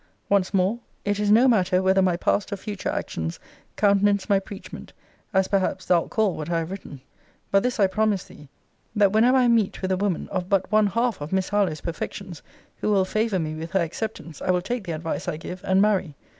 Once more, it is no matter whether my past or future actions countenance my preachment, as perhaps thou'lt call what I have written: but this I promise thee, that whenever I meet with a woman of but one half of Miss Harlowe's perfections, who will favour me with her acceptance, I will take the advice I give, and marry.